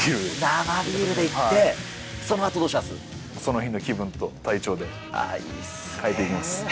生ビールでいって、そのあとその日の気分と体調で変えていきます。